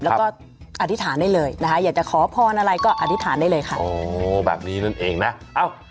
แล้วก็อธิษฐานได้เลยนะคะอยากจะขอพรอะไรก็อธิษฐานได้เลยค่ะโอ้แบบนี้นั่นเองนะเอ้า